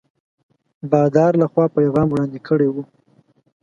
بادار له خوا پیغام وړاندي کړی وو.